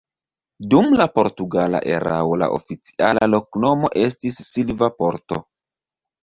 Dum la portugala erao la oficiala loknomo estis Silva Porto.